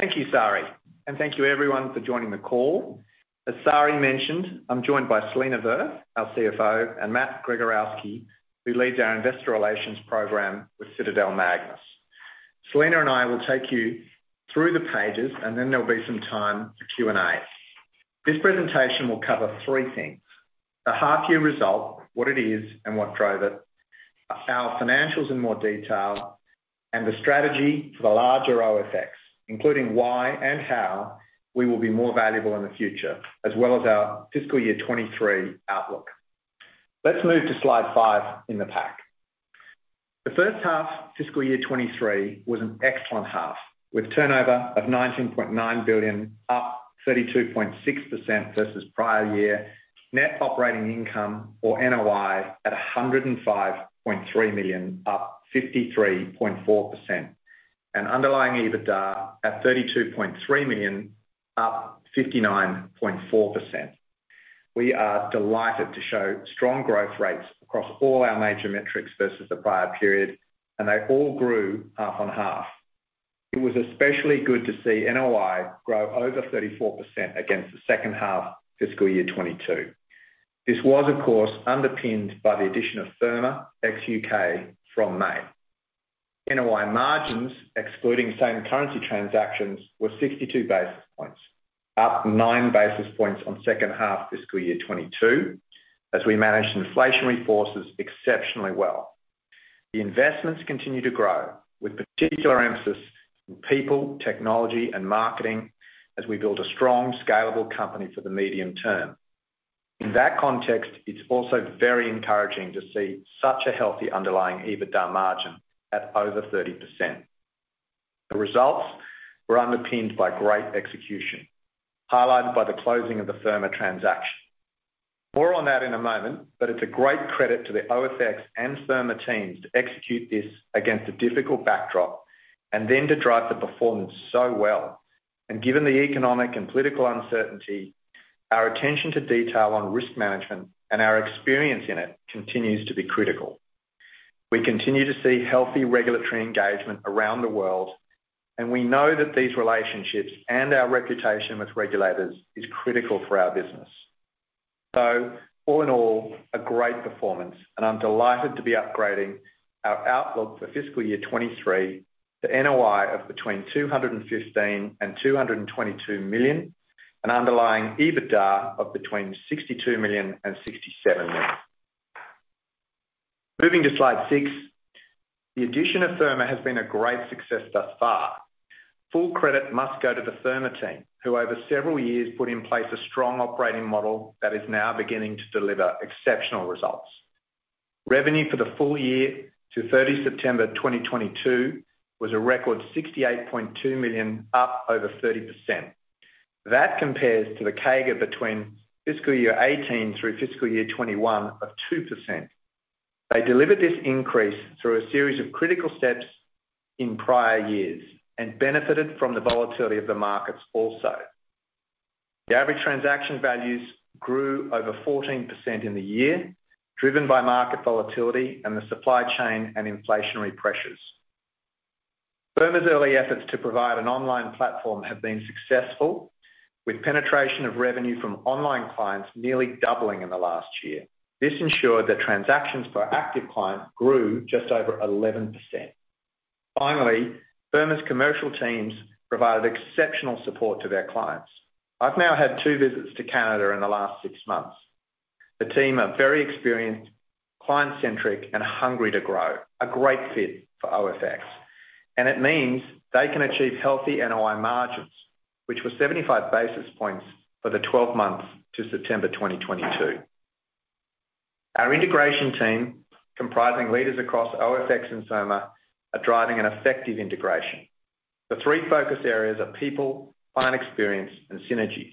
Thank you, Sari. Thank you everyone for joining the call. As Sari mentioned, I'm joined by Selena Verth, our CFO, and Matthew Gregorowski, who leads our investor relations program with Citadel-MAGNUS. Selena and I will take you through the pages, there'll be some time for Q&A. This presentation will cover three things. The half year result, what it is and what drove it, our financials in more detail, and the strategy for the larger OFX, including why and how we will be more valuable in the future, as well as our FY 2023 outlook. Let's move to slide five in the pack. The first half FY 2023 was an excellent half, with turnover of 19.9 billion, up 32.6% versus prior year. Net operating income, or NOI, at 105.3 million, up 53.4%. Underlying EBITDA at 32.3 million, up 59.4%. We are delighted to show strong growth rates across all our major metrics versus the prior period, they all grew half on half. It was especially good to see NOI grow over 34% against the second half FY 2022. This was, of course, underpinned by the addition of Firma ex-UK from May. NOI margins, excluding same currency transactions, were 62 basis points, up nine basis points on second half FY 2022, as we managed inflationary forces exceptionally well. The investments continue to grow, with particular emphasis on people, technology and marketing as we build a strong, scalable company for the medium term. In that context, it's also very encouraging to see such a healthy underlying EBITDA margin at over 30%. The results were underpinned by great execution, highlighted by the closing of the Firma transaction. More on that in a moment, it's a great credit to the OFX and Firma teams to execute this against a difficult backdrop, to drive the performance so well. Given the economic and political uncertainty, our attention to detail on risk management and our experience in it continues to be critical. We continue to see healthy regulatory engagement around the world, we know that these relationships and our reputation with regulators is critical for our business. All in all, a great performance, I'm delighted to be upgrading our outlook for FY 2023 to NOI of between 215 million-222 million, and underlying EBITDA of between 62 million-67 million. Moving to slide six. The addition of Firma has been a great success thus far. Full credit must go to the Firma team, who over several years put in place a strong operating model that is now beginning to deliver exceptional results. Revenue for the full year to 30 September 2022 was a record 68.2 million, up over 30%. That compares to the CAGR between FY 2018 through FY 2021 of 2%. They delivered this increase through a series of critical steps in prior years and benefited from the volatility of the markets also. The average transaction values grew over 14% in the year, driven by market volatility and the supply chain and inflationary pressures. Firma's early efforts to provide an online platform have been successful, with penetration of revenue from online clients nearly doubling in the last year. This ensured that transactions per active client grew just over 11%. Finally, Firma's commercial teams provided exceptional support to their clients. I've now had two visits to Canada in the last six months. The team are very experienced, client-centric and hungry to grow. A great fit for OFX, and it means they can achieve healthy NOI margins, which were 75 basis points for the 12 months to September 2022. Our integration team, comprising leaders across OFX and Firma, are driving an effective integration. The three focus areas are people, client experience and synergies.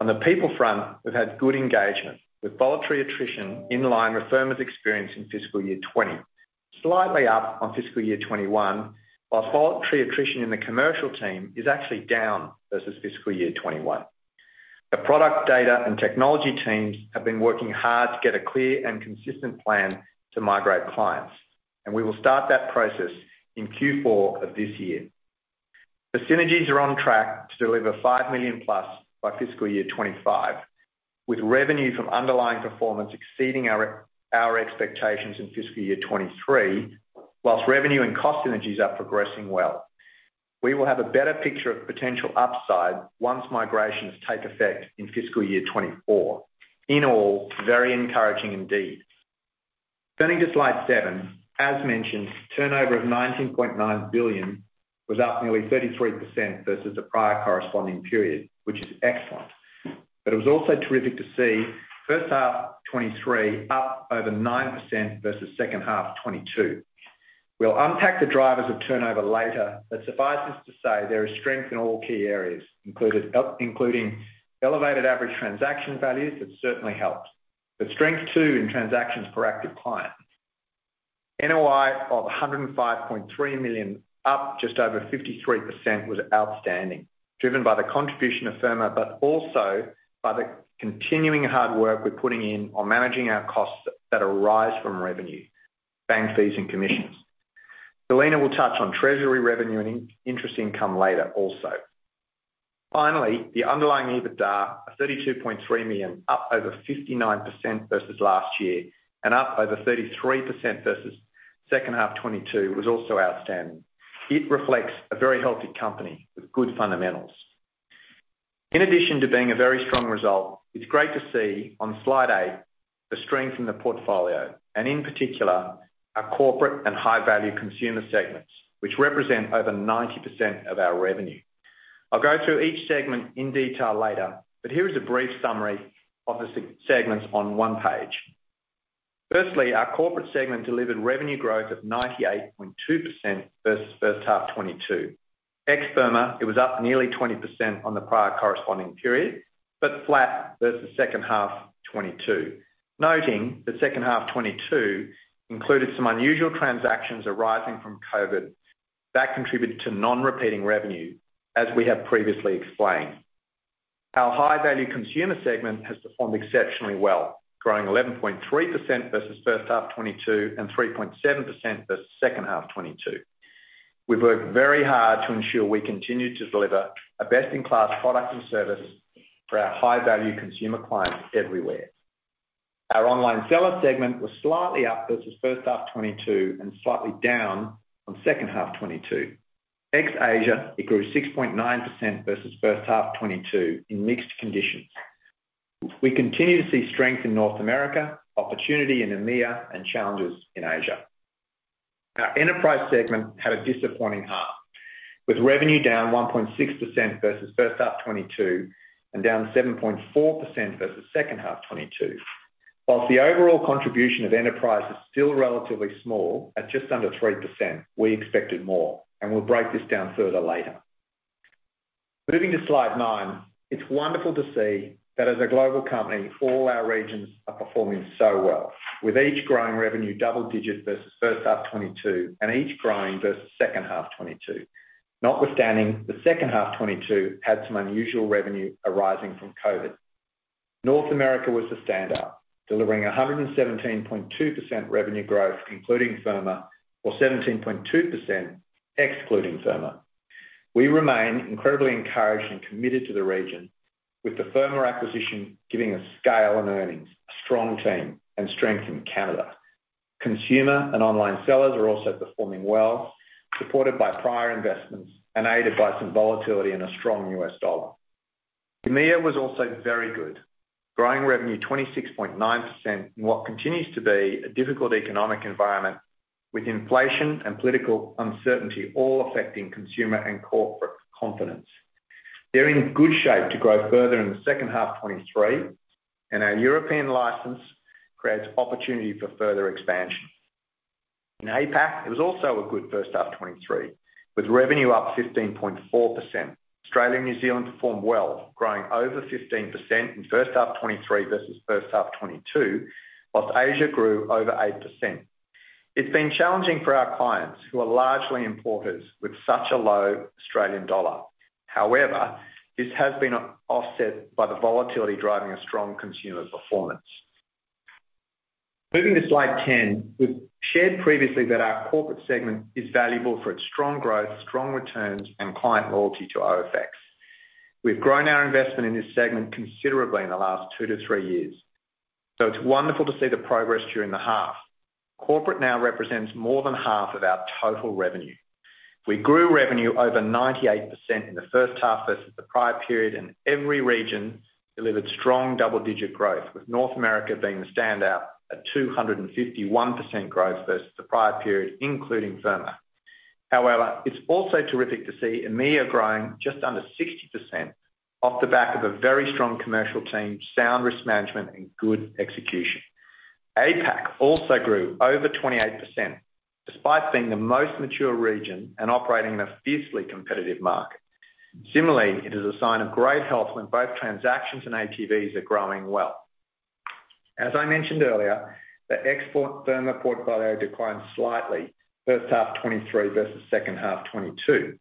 On the people front, we've had good engagement with voluntary attrition in line with Firma's experience in FY 2020. Slightly up on FY 2021, whilst voluntary attrition in the commercial team is actually down versus FY 2021. The product data and technology teams have been working hard to get a clear and consistent plan to migrate clients, and we will start that process in Q4 of this year. The synergies are on track to deliver 5 million plus by FY 2025, with revenue from underlying performance exceeding our expectations in FY 2023, whilst revenue and cost synergies are progressing well. We will have a better picture of potential upside once migrations take effect in FY 2024. In all, very encouraging indeed. Turning to slide seven. As mentioned, turnover of 19.9 billion was up nearly 33% versus the prior corresponding period, which is excellent. It was also terrific to see first half 2023 up over 9% versus second half 2022. We'll unpack the drivers of turnover later, but suffice it to say there is strength in all key areas, including elevated Average Transaction Values, that certainly helps. The strength too in transactions per active client. NOI of 105.3 million, up just over 53% was outstanding, driven by the contribution of Firma, but also by the continuing hard work we're putting in on managing our costs that arise from revenue. Bank fees and commissions. Selena will touch on treasury revenue and interest income later also. Finally, the underlying EBITDA, 32.3 million, up over 59% versus last year, and up over 33% versus second half 2022, was also outstanding. It reflects a very healthy company with good fundamentals. In addition to being a very strong result, it's great to see on Slide 8 the strength in the portfolio, and in particular, our corporate and high-value consumer segments, which represent over 90% of our revenue. I'll go through each segment in detail later, but here is a brief summary of the segments on one page. Firstly, our corporate segment delivered revenue growth of 98.2% versus first half 2022. Ex Firma, it was up nearly 20% on the prior corresponding period, but flat versus second half 2022. Noting that second half 2022 included some unusual transactions arising from COVID. That contributed to non-repeating revenue, as we have previously explained. Our high-value consumer segment has performed exceptionally well, growing 11.3% versus first half 2022 and 3.7% versus second half 2022. We've worked very hard to ensure we continue to deliver a best-in-class product and service for our high-value consumer clients everywhere. Our online seller segment was slightly up versus first half 2022 and slightly down on second half 2022. Ex Asia, it grew 6.9% versus first half 2022 in mixed conditions. We continue to see strength in North America, opportunity in EMEA, and challenges in Asia. Our enterprise segment had a disappointing half, with revenue down 1.6% versus first half 2022 and down 7.4% versus second half 2022. Whilst the overall contribution of enterprise is still relatively small at just under 3%, we expected more, we'll break this down further later. Moving to Slide 9. It's wonderful to see that as a global company, all our regions are performing so well, with each growing revenue double digits versus first half 2022 and each growing versus second half 2022. Notwithstanding the second half of 2022 had some unusual revenue arising from COVID. North America was the standout, delivering 117.2% revenue growth, including Firma, or 17.2% excluding Firma. We remain incredibly encouraged and committed to the region, with the Firma acquisition giving us scale and earnings, a strong team, and strength in Canada. Consumer and online sellers are also performing well, supported by prior investments and aided by some volatility and a strong US dollar. EMEA was also very good, growing revenue 26.9% in what continues to be a difficult economic environment, with inflation and political uncertainty all affecting consumer and corporate confidence. They're in good shape to grow further in the second half 2023, our European license creates opportunity for further expansion. In APAC, it was also a good first half 2023, with revenue up 15.4%. Australia and New Zealand performed well, growing over 15% in first half 2023 versus first half 2022, whilst Asia grew over 8%. It's been challenging for our clients, who are largely importers, with such a low Australian dollar. This has been offset by the volatility driving a strong consumer performance. Moving to Slide 10. We've shared previously that our corporate segment is valuable for its strong growth, strong returns, and client loyalty to OFX. We've grown our investment in this segment considerably in the last two to three years, it's wonderful to see the progress during the half. Corporate now represents more than half of our total revenue. We grew revenue over 98% in the first half versus the prior period, every region delivered strong double-digit growth, with North America being the standout at 251% growth versus the prior period, including Firma. It's also terrific to see EMEA growing just under 60% off the back of a very strong commercial team, sound risk management, and good execution. APAC also grew over 28%, despite being the most mature region and operating in a fiercely competitive market. Similarly, it is a sign of great health when both transactions and ATVs are growing well. As I mentioned earlier, the ex Firma portfolio declined slightly first half 2023 versus second half 2022,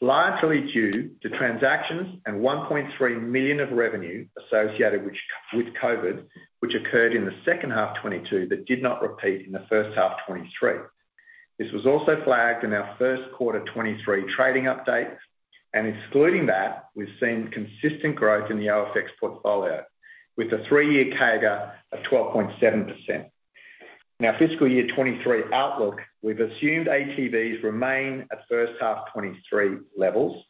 largely due to transactions and 1.3 million of revenue associated with COVID, which occurred in the second half of 2022 but did not repeat in the first half of 2023. This was also flagged in our first quarter 2023 trading update, excluding that, we've seen consistent growth in the OFX portfolio with a three-year CAGR of 12.7%. In our fiscal year 2023 outlook, we've assumed ATVs remain at first half 2023 levels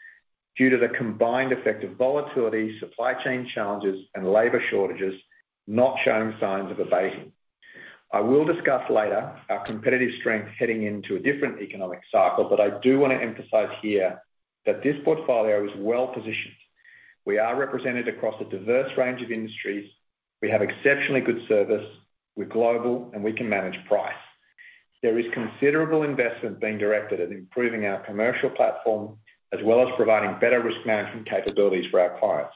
due to the combined effect of volatility, supply chain challenges, and labor shortages not showing signs of abating. I will discuss later our competitive strength heading into a different economic cycle, I do want to emphasize here that this portfolio is well-positioned. We are represented across a diverse range of industries. We have exceptionally good service. We're global, we can manage price. There is considerable investment being directed at improving our commercial platform, as well as providing better risk management capabilities for our clients.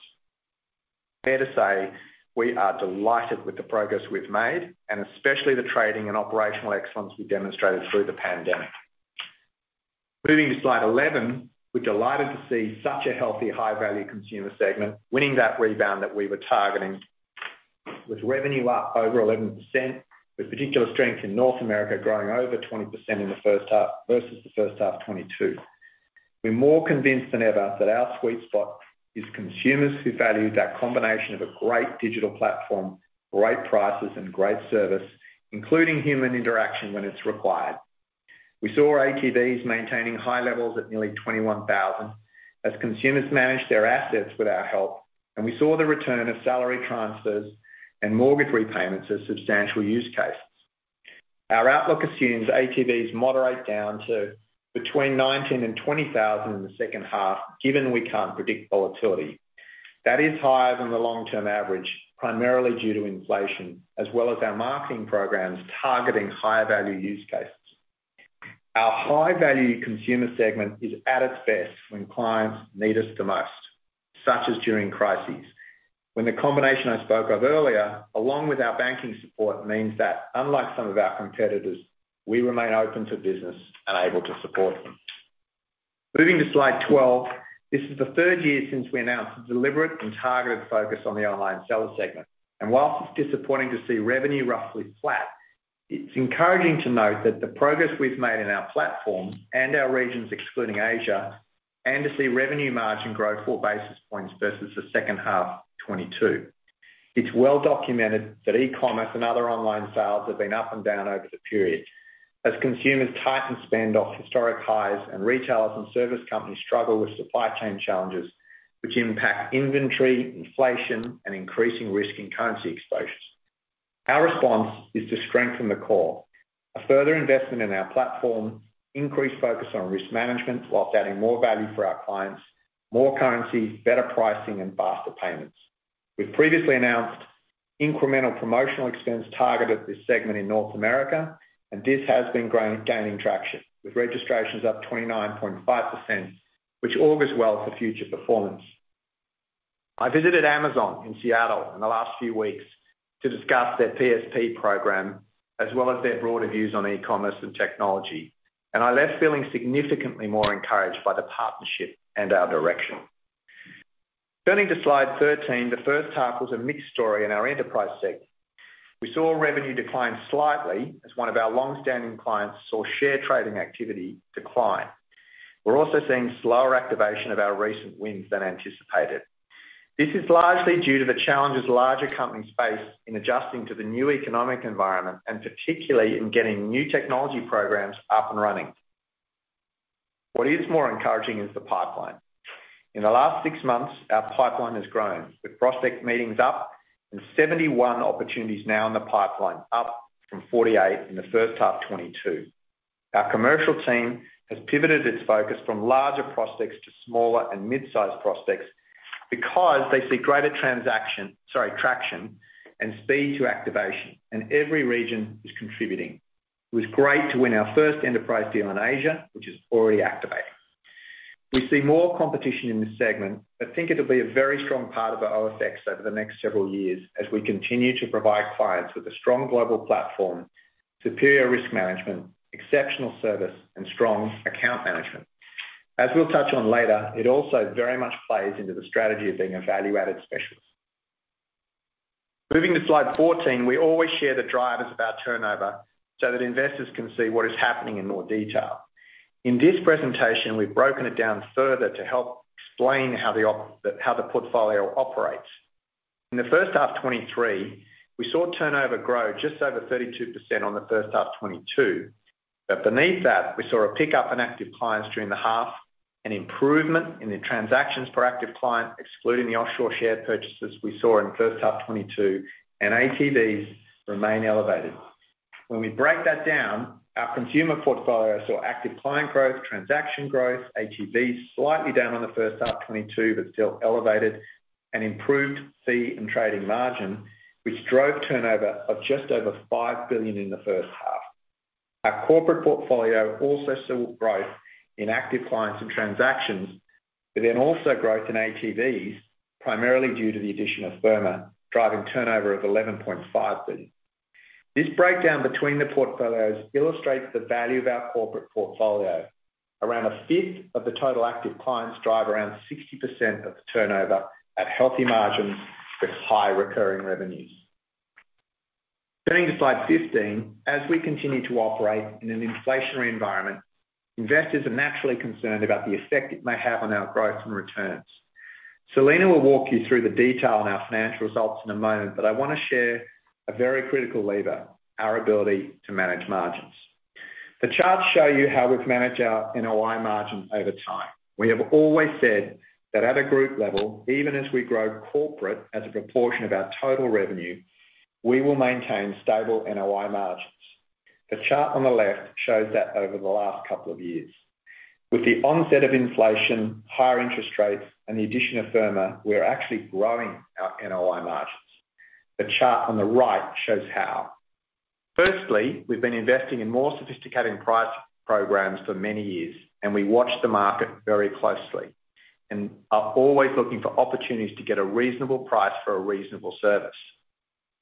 Fair to say, we are delighted with the progress we've made and especially the trading and operational excellence we demonstrated through the pandemic. Moving to slide 11. We're delighted to see such a healthy high-value consumer segment winning that rebound that we were targeting. With revenue up over 11%, with particular strength in North America growing over 20% versus the first half of 2022. We're more convinced than ever that our sweet spot is consumers who value that combination of a great digital platform, great prices, and great service, including human interaction when it's required. We saw ATVs maintaining high levels at nearly 21,000 as consumers managed their assets with our help. We saw the return of salary transfers and mortgage repayments as substantial use cases. Our outlook assumes ATVs moderate down to between 19,000 and 20,000 in the second half, given we can't predict volatility. That is higher than the long-term average, primarily due to inflation, as well as our marketing programs targeting higher-value use cases. Our high-value consumer segment is at its best when clients need us the most, such as during crises. When the combination I spoke of earlier, along with our banking support, means that unlike some of our competitors, we remain open to business and able to support them. Moving to slide 12. This is the third year since we announced a deliberate and targeted focus on the online seller segment. Whilst it's disappointing to see revenue roughly flat, it's encouraging to note that the progress we've made in our platform and our regions excluding Asia, and to see revenue margin grow four basis points versus the second half of 2022. It's well documented that e-commerce and other online sales have been up and down over the period. As consumers tighten spend off historic highs and retailers and service companies struggle with supply chain challenges which impact inventory, inflation, and increasing risk in currency exposures. Our response is to strengthen the core. A further investment in our platform, increased focus on risk management whilst adding more value for our clients, more currency, better pricing, and faster payments. We've previously announced incremental promotional expense targeted this segment in North America, and this has been gaining traction, with registrations up 29.5%, which augurs well for future performance. I visited Amazon in Seattle in the last few weeks to discuss their PSP program, as well as their broader views on e-commerce and technology. I left feeling significantly more encouraged by the partnership and our direction. Turning to slide 13. The first half was a mixed story in our enterprise segment. We saw revenue decline slightly as one of our longstanding clients saw share trading activity decline. We're also seeing slower activation of our recent wins than anticipated. This is largely due to the challenges larger companies face in adjusting to the new economic environment and particularly in getting new technology programs up and running. What is more encouraging is the pipeline. In the last six months, our pipeline has grown, with prospect meetings up and 71 opportunities now in the pipeline, up from 48 in the first half of 2022. Our commercial team has pivoted its focus from larger prospects to smaller and mid-size prospects because they see greater traction and speed to activation, and every region is contributing. It was great to win our first enterprise deal in Asia, which is already activated. We see more competition in this segment, but think it'll be a very strong part of our OFX over the next several years as we continue to provide clients with a strong global platform, superior risk management, exceptional service, and strong account management. As we'll touch on later, it also very much plays into the strategy of being a value-added specialist. Moving to slide 14. We always share the drivers of our turnover so that investors can see what is happening in more detail. In this presentation, we've broken it down further to help explain how the portfolio operates. Beneath that, we saw a pickup in active clients during the half, an improvement in the transactions per active client, excluding the offshore share purchases we saw in the first half of 2022, and ATVs remain elevated. When we break that down, our consumer portfolio saw active client growth, transaction growth, ATVs slightly down on the first half of 2022, but still elevated, and improved fee and trading margin, which drove turnover of just over 5 billion in the first half. Our corporate portfolio also saw growth in active clients and transactions, but then also growth in ATVs, primarily due to the addition of Firma, driving turnover of 11.5 billion. This breakdown between the portfolios illustrates the value of our corporate portfolio. Around a fifth of the total active clients drive around 60% of the turnover at healthy margins with high recurring revenues. Turning to slide 15. As we continue to operate in an inflationary environment, investors are naturally concerned about the effect it may have on our growth and returns. Selena will walk you through the detail on our financial results in a moment, but I want to share a very critical lever, our ability to manage margins. The charts show you how we've managed our NOI margin over time. We have always said that at a group level, even as we grow corporate as a proportion of our total revenue, we will maintain stable NOI margins. The chart on the left shows that over the last couple of years. With the onset of inflation, higher interest rates, and the addition of Firma, we are actually growing our NOI margins. The chart on the right shows how. Firstly, we've been investing in more sophisticated price programs for many years, and we watch the market very closely and are always looking for opportunities to get a reasonable price for a reasonable service.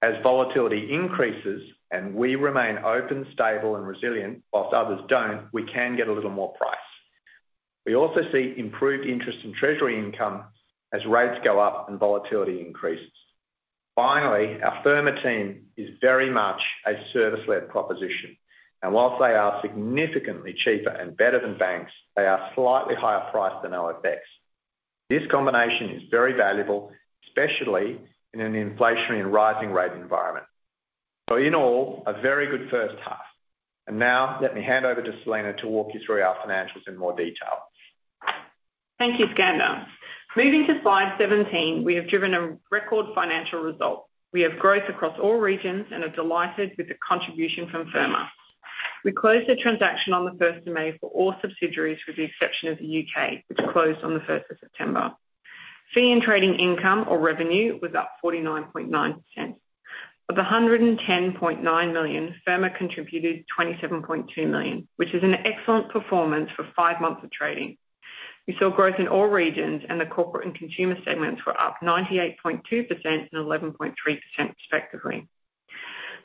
As volatility increases and we remain open, stable, and resilient, whilst others don't, we can get a little more price. We also see improved interest in treasury income as rates go up and volatility increases. Finally, our Firma team is very much a service-led proposition, and whilst they are significantly cheaper and better than banks, they are slightly higher priced than OFX. This combination is very valuable, especially in an inflationary and rising rate environment. In all, a very good first half. Now let me hand over to Selena to walk you through our financials in more detail. Thank you, Skander. Moving to slide 17, we have driven a record financial result. We have growth across all regions and are delighted with the contribution from Firma. We closed the transaction on the 1st of May for all subsidiaries, with the exception of the U.K., which closed on the 1st of September. Fee and trading income or revenue was up 49.9%. Of 110.9 million, Firma contributed 27.2 million, which is an excellent performance for five months of trading. We saw growth in all regions, and the corporate and consumer segments were up 98.2% and 11.3% respectively.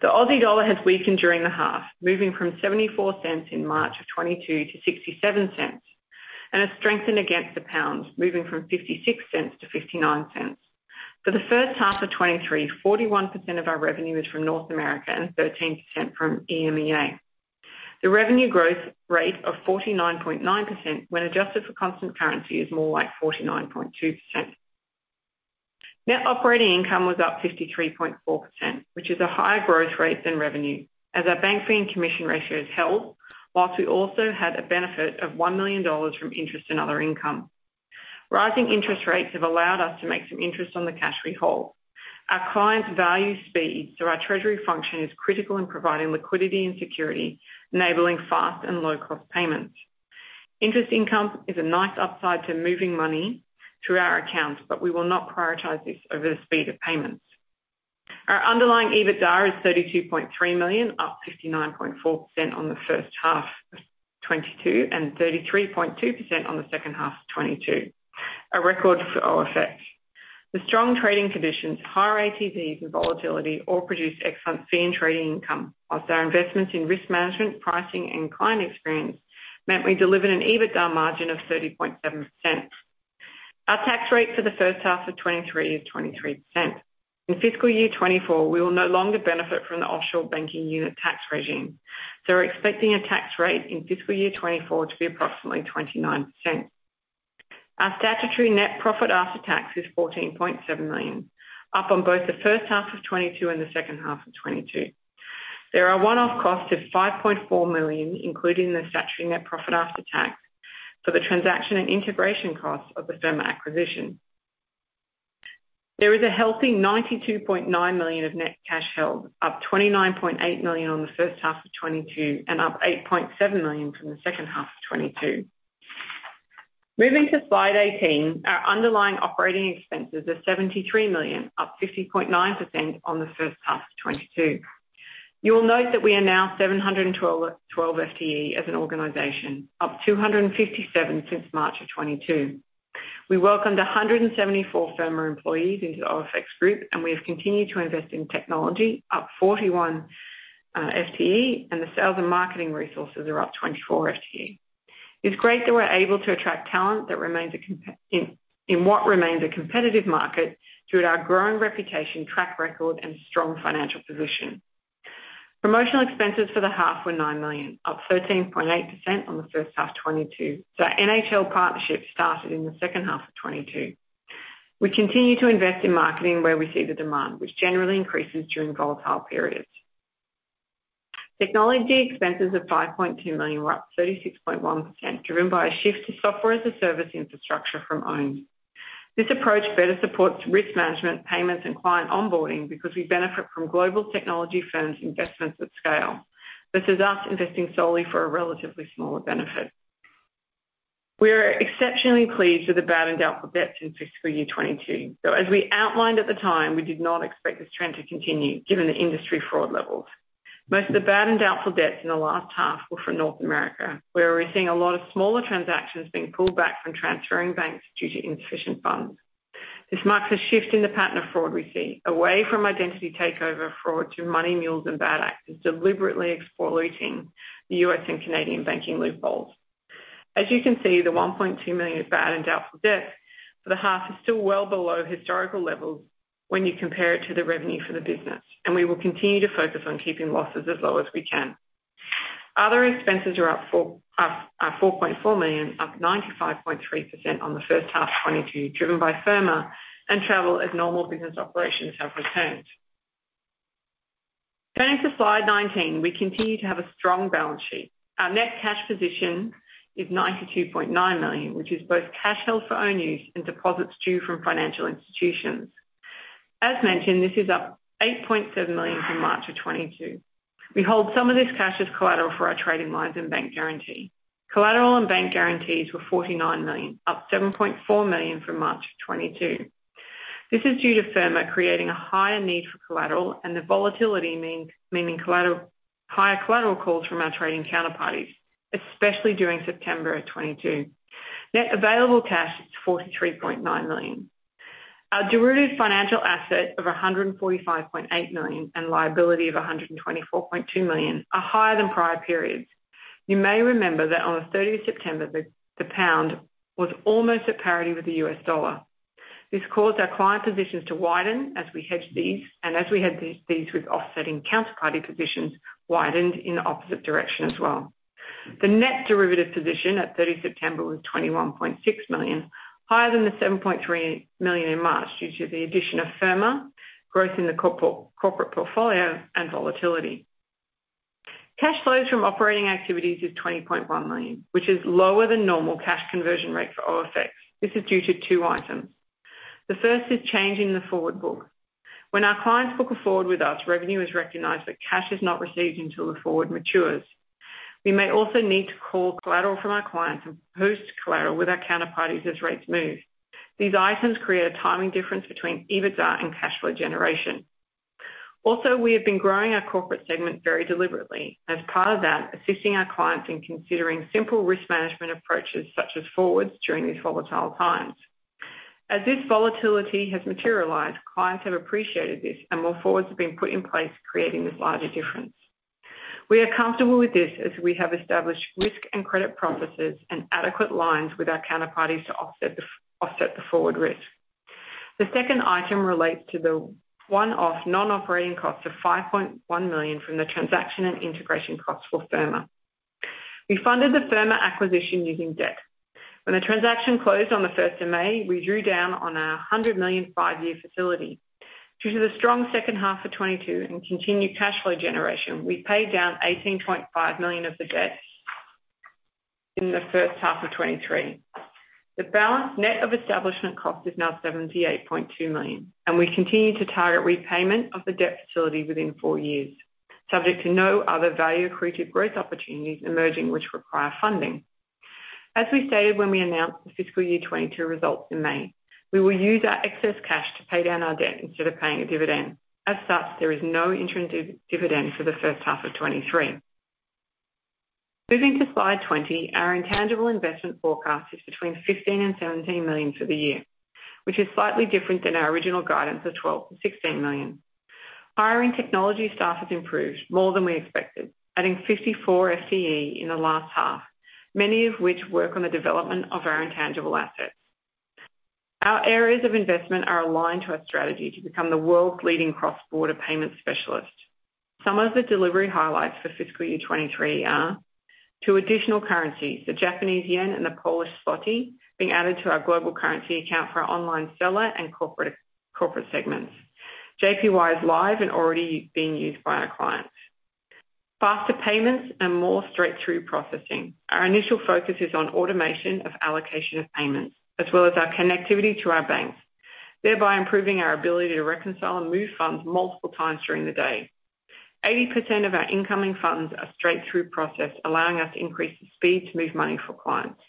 The Australian dollar has weakened during the half, moving from 0.74 in March of 2022 to 0.67, and has strengthened against the pound, moving from 0.56 to 0.59. For the first half of 2023, 41% of our revenue is from North America and 13% from EMEA. The revenue growth rate of 49.9% when adjusted for constant currency, is more like 49.2%. Net Operating Income was up 53.4%, which is a higher growth rate than revenue as our bank fee and commission ratios held, whilst we also had a benefit of 1 million dollars from interest and other income. Rising interest rates have allowed us to make some interest on the cash we hold. Our clients value speed, so our treasury function is critical in providing liquidity and security, enabling fast and low-cost payments. Interest income is a nice upside to moving money through our accounts, but we will not prioritize this over the speed of payments. Our underlying EBITDA is 32.3 million, up 59.4% on the first half of 2022 and 33.2% on the second half of 2022. A record for OFX. The strong trading conditions, higher ATVs and volatility all produce excellent fee and trading income. Whilst our investments in risk management, pricing, and client experience meant we delivered an EBITDA margin of 30.7%. Our tax rate for the first half of 2023 is 23%. In fiscal year 2024, we will no longer benefit from the Offshore Banking Unit tax regime. We're expecting a tax rate in fiscal year 2024 to be approximately 29%. Our statutory net profit after tax is 14.7 million, up on both the first half of 2022 and the second half of 2022. There are one-off costs of 5.4 million, including the statutory net profit after tax for the transaction and integration costs of the Firma acquisition. There is a healthy 92.9 million of net cash held, up 29.8 million on the first half of 2022 and up 8.7 million from the second half of 2022. Moving to slide 18, our underlying operating expenses are 73 million, up 50.9% on the first half of 2022. You will note that we are now 712 FTE as an organization, up 257 since March of 2022. We welcomed 174 Firma employees into the OFX Group, and we have continued to invest in technology, up 41 FTE, and the sales and marketing resources are up 24 FTE. It's great that we're able to attract talent in what remains a competitive market through our growing reputation, track record, and strong financial position. Promotional expenses for the half were 9 million, up 13.8% on the first half 2022. NHL partnership started in the second half of 2022. We continue to invest in marketing where we see the demand, which generally increases during volatile periods. Technology expenses of 5.2 million were up 36.1%, driven by a shift to Software as a Service infrastructure from owned. This approach better supports risk management, payments, and client onboarding because we benefit from global technology firms' investments at scale. This is us investing solely for a relatively smaller benefit. We are exceptionally pleased with the bad and doubtful debts in FY 2022. As we outlined at the time, we did not expect this trend to continue given the industry fraud levels. Most of the bad and doubtful debts in the last half were from North America, where we're seeing a lot of smaller transactions being pulled back from transferring banks due to insufficient funds. This marks a shift in the pattern of fraud we see, away from identity takeover fraud to money mules and bad actors deliberately exploiting the U.S. and Canadian banking loopholes. As you can see, the 1.2 million of bad and doubtful debts for the half is still well below historical levels when you compare it to the revenue for the business. We will continue to focus on keeping losses as low as we can. Other expenses are up 4.4 million, up 95.3% on the first half 2022, driven by Firma and travel as normal business operations have returned. Turning to slide 19, we continue to have a strong balance sheet. Our net cash position is 92.9 million, which is both cash held for own use and deposits due from financial institutions. As mentioned, this is up 8.7 million from March 2022. We hold some of this cash as collateral for our trading lines and bank guarantee. Collateral and bank guarantees were 49 million, up 7.4 million from March 2022. This is due to Firma creating a higher need for collateral and the volatility meaning higher collateral calls from our trading counterparties, especially during September 2022. Net available cash is 43.9 million. Our derivative financial asset of 145.8 million and liability of 124.2 million are higher than prior periods. You may remember that on the 30 September, the GBP was almost at parity with the USD. This caused our client positions to widen as we hedged these, and as we hedged these with offsetting counterparty positions, widened in the opposite direction as well. The net derivative position at 30 September was 21.6 million, higher than the 7.3 million in March, due to the addition of Firma, growth in the corporate portfolio, and volatility. Cash flows from operating activities is 20.1 million, which is lower than normal cash conversion rate for OFX. This is due to two items. The first is changing the forward book. When our clients book a forward with us, revenue is recognized, but cash is not received until the forward matures. We may also need to call collateral from our clients and post collateral with our counterparties as rates move. These items create a timing difference between EBITDA and cash flow generation. We have been growing our corporate segment very deliberately, and as part of that, assisting our clients in considering simple risk management approaches such as forwards during these volatile times. As this volatility has materialized, clients have appreciated this and more forwards have been put in place, creating this larger difference. We are comfortable with this as we have established risk and credit processes and adequate lines with our counterparties to offset the forward risk. The second item relates to the one-off non-operating cost of 5.1 million from the transaction and integration costs for Firma. We funded the Firma acquisition using debt. When the transaction closed on the 1st of May, we drew down on our 100 million five-year facility. Due to the strong second half of 2022 and continued cash flow generation, we paid down 18.5 million of the debt in the first half of 2023. The balance net of establishment cost is now 78.2 million, and we continue to target repayment of the debt facility within four years, subject to no other value accretive growth opportunities emerging which require funding. As we stated when we announced the fiscal year 2022 results in May, we will use our excess cash to pay down our debt instead of paying a dividend. As such, there is no interim dividend for the first half of 2023. Moving to slide 20. Our intangible investment forecast is between 15 million and 17 million for the year, which is slightly different than our original guidance of 12 million to 16 million. Hiring technology staff has improved more than we expected, adding 54 FTE in the last half, many of which work on the development of our intangible assets. Our areas of investment are aligned to our strategy to become the world's leading cross-border payment specialist. Some of the delivery highlights for fiscal year 2023 are two additional currencies, the Japanese yen and the Polish zloty, being added to our global currency account for online seller and corporate segments. JPY is live and already being used by our clients. Faster payments and more straight-through processing. Our initial focus is on automation of allocation of payments, as well as our connectivity to our banks, thereby improving our ability to reconcile and move funds multiple times during the day. 80% of our incoming funds are straight-through processed, allowing us to increase the speed to move money for clients.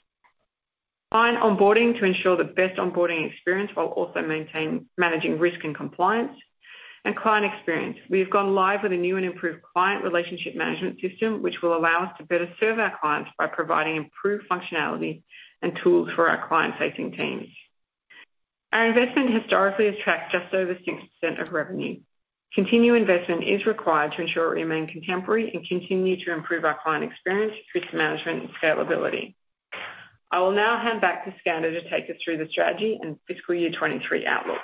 Client onboarding to ensure the best onboarding experience while also maintaining managing risk and compliance. And client experience. We have gone live with a new and improved client relationship management system, which will allow us to better serve our clients by providing improved functionality and tools for our client-facing teams. Our investment historically has tracked just over 6% of revenue. Continued investment is required to ensure we remain contemporary and continue to improve our client experience, risk management, and scalability. I will now hand back to Skander to take us through the strategy and fiscal year 2023 outlook.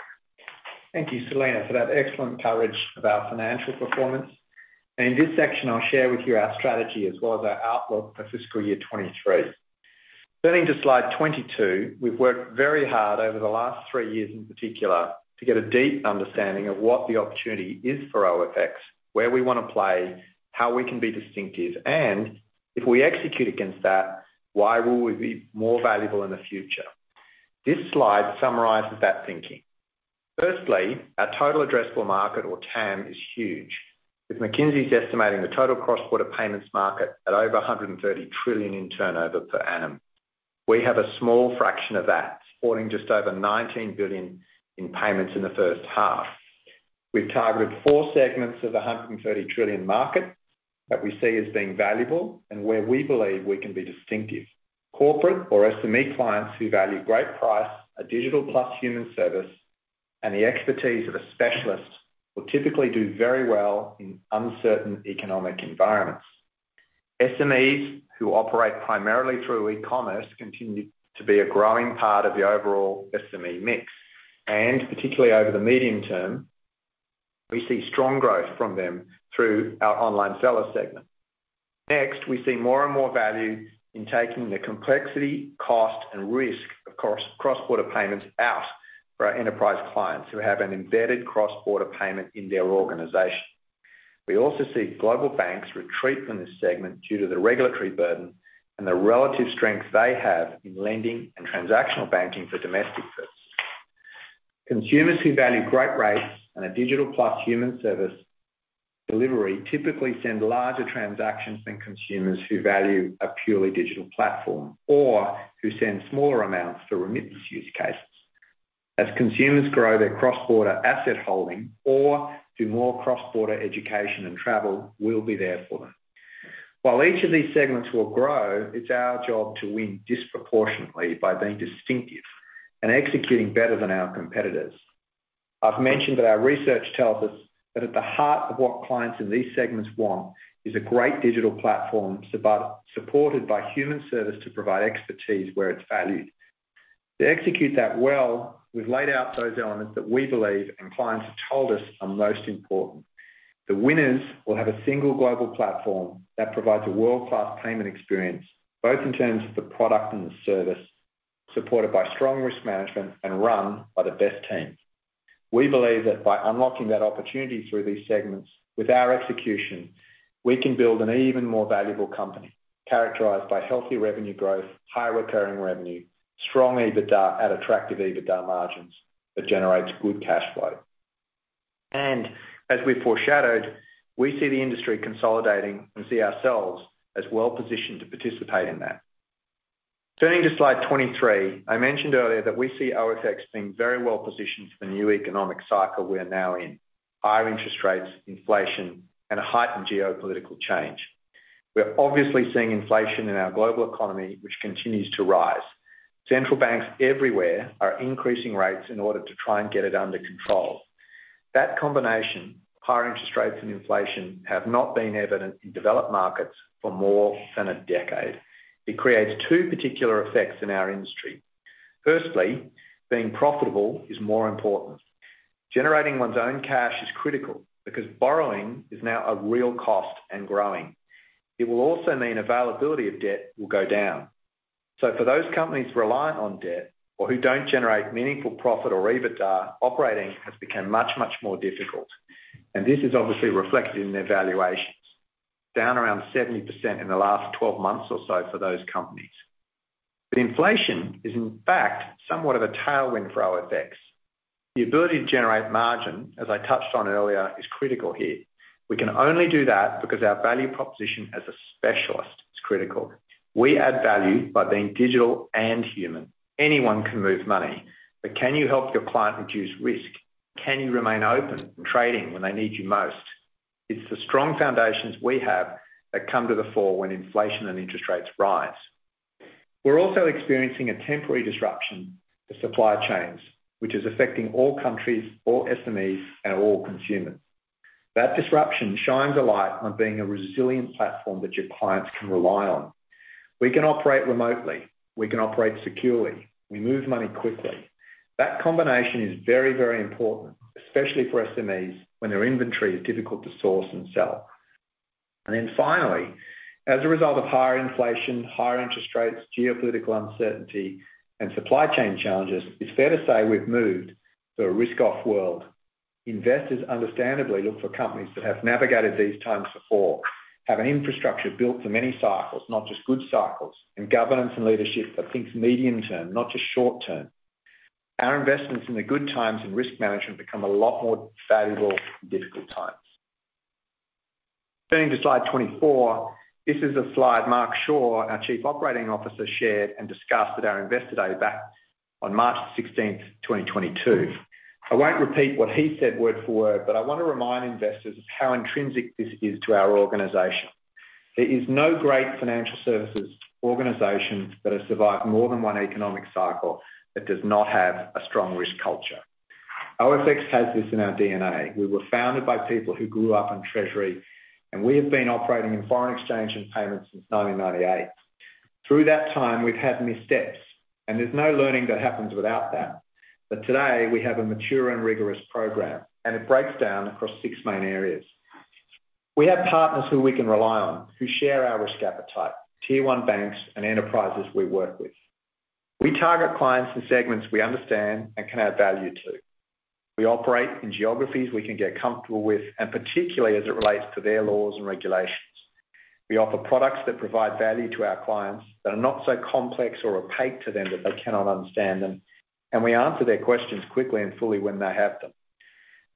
Thank you, Selena, for that excellent coverage of our financial performance. In this section, I'll share with you our strategy as well as our outlook for fiscal year 2023. Turning to slide 22. We've worked very hard over the last three years in particular to get a deep understanding of what the opportunity is for OFX, where we want to play, how we can be distinctive, and if we execute against that, why will we be more valuable in the future. This slide summarizes that thinking. Firstly, our total addressable market, or TAM, is huge, with McKinsey estimating the total cross-border payments market at over 130 trillion in turnover per annum. We have a small fraction of that, supporting just over 19 billion in payments in the first half. We've targeted four segments of the 130 trillion market that we see as being valuable and where we believe we can be distinctive. Corporate or SME clients who value great price, a digital plus human service, and the expertise of a specialist will typically do very well in uncertain economic environments. SMEs who operate primarily through e-commerce continue to be a growing part of the overall SME mix, and particularly over the medium term, we see strong growth from them through our online seller segment. We see more and more value in taking the complexity, cost, and risk of cross-border payments out for our enterprise clients who have an embedded cross-border payment in their organization. We also see global banks retreat from this segment due to the regulatory burden and the relative strength they have in lending and transactional banking for domestic firms. Consumers who value great rates and a digital plus human service delivery typically send larger transactions than consumers who value a purely digital platform or who send smaller amounts for remittance use cases. As consumers grow their cross-border asset holding or do more cross-border education and travel, we'll be there for them. Each of these segments will grow, it's our job to win disproportionately by being distinctive and executing better than our competitors. I've mentioned that our research tells us that at the heart of what clients in these segments want is a great digital platform supported by human service to provide expertise where it's valued. To execute that well, we've laid out those elements that we believe and clients have told us are most important. The winners will have a single global platform that provides a world-class payment experience, both in terms of the product and the service, supported by strong risk management and run by the best teams. We believe that by unlocking that opportunity through these segments with our execution, we can build an even more valuable company characterized by healthy revenue growth, high recurring revenue, strong EBITDA at attractive EBITDA margins that generates good cash flow. As we foreshadowed, we see the industry consolidating and see ourselves as well-positioned to participate in that. Turning to slide 23. I mentioned earlier that we see OFX being very well-positioned for the new economic cycle we are now in. Higher interest rates, inflation, and a heightened geopolitical change. We're obviously seeing inflation in our global economy, which continues to rise. Central banks everywhere are increasing rates in order to try and get it under control. That combination, higher interest rates and inflation, have not been evident in developed markets for more than a decade. It creates two particular effects in our industry. Firstly, being profitable is more important. Generating one's own cash is critical because borrowing is now a real cost and growing. It will also mean availability of debt will go down. For those companies reliant on debt or who don't generate meaningful profit or EBITDA, operating has become much, much more difficult. This is obviously reflected in their valuations, down around 70% in the last 12 months or so for those companies. Inflation is in fact somewhat of a tailwind for OFX. The ability to generate margin, as I touched on earlier, is critical here. We can only do that because our value proposition as a specialist is critical. We add value by being digital and human. Anyone can move money, but can you help your client reduce risk? Can you remain open and trading when they need you most? It's the strong foundations we have that come to the fore when inflation and interest rates rise. We're also experiencing a temporary disruption to supply chains, which is affecting all countries, all SMEs, and all consumers. That disruption shines a light on being a resilient platform that your clients can rely on. We can operate remotely. We can operate securely. We move money quickly. That combination is very, very important, especially for SMEs when their inventory is difficult to source and sell. Finally, as a result of higher inflation, higher interest rates, geopolitical uncertainty, and supply chain challenges, it's fair to say we've moved to a risk-off world. Investors understandably look for companies that have navigated these times before, have an infrastructure built for many cycles, not just good cycles, and governance and leadership that thinks medium-term, not just short-term. Our investments in the good times and risk management become a lot more valuable in difficult times. Turning to slide 24. This is a slide Mark Shaw, our Chief Operating Officer, shared and discussed at our investor day back on March 16th, 2022. I won't repeat what he said word for word, but I want to remind investors of how intrinsic this is to our organization. There is no great financial services organization that has survived more than one economic cycle that does not have a strong risk culture. OFX has this in our DNA. We were founded by people who grew up in treasury, and we have been operating in foreign exchange and payments since 1998. Through that time, we've had missteps, and there's no learning that happens without that. But today, we have a mature and rigorous program, and it breaks down across six main areas. We have partners who we can rely on, who share our risk appetite, tier 1 banks and enterprises we work with. We target clients and segments we understand and can add value to. We operate in geographies we can get comfortable with, and particularly as it relates to their laws and regulations. We offer products that provide value to our clients that are not so complex or opaque to them that they cannot understand them, and we answer their questions quickly and fully when they have them.